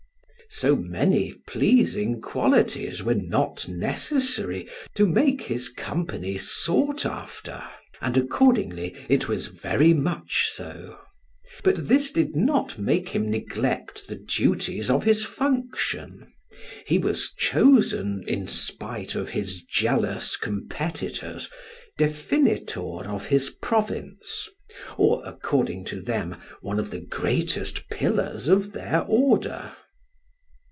So many pleasing qualities were not necessary to make his company sought after, and, accordingly, it was very much so, but this did not make him neglect the duties of his function: he was chosen (in spite of his jealous competitors) Definitor of his Province, or, according to them, one of the greatest pillars of their order.